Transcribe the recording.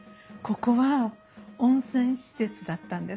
ここは温泉施設だったんです。